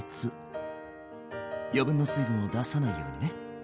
余分な水分を出さないようにね。